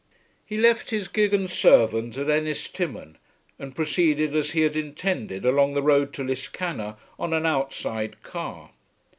He left his gig and servant at Ennistimon and proceeded as he had intended along the road to Liscannor on an outside car.